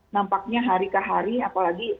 nampaknya hari ke hari apalagi